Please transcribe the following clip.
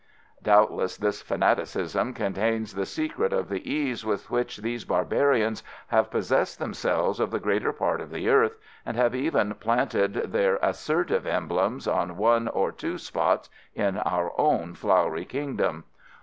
Doubtless this fanaticism contains the secret of the ease with which these barbarians have possessed themselves of the greater part of the earth, and have even planted their assertive emblems on one or two spots in our own Flowery Kingdom.